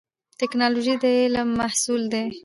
ټکنالوژي د علم محصول دی